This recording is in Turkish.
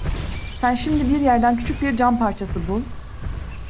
Sen şimdi bir yerden küçük bir cam parçası bul…